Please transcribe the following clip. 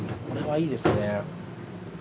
これはいいです。